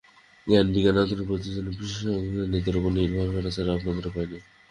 জ্ঞান বিজ্ঞান, আধুনিক প্রযুক্তির জন্যে বিজ্ঞানীদের উপর নির্ভর করা ছাড়া আপনাদের উপায় নেই।